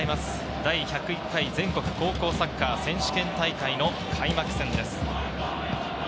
第１０１回全国高校サッカー選手権大会の開幕戦です。